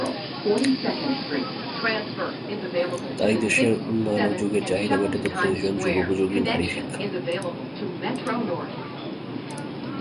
তাই দেশের উন্নয়ন ও যুগের চাহিদা মেটাতে প্রয়োজন যুগোপযোগী নারী শিক্ষা।